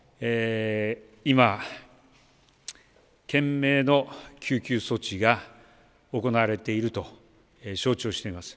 今、懸命の救急措置が行われていると承知をしております。